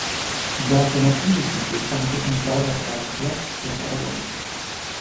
Dieser alternative Titel stammte von zwei der drei Tracks des Albums.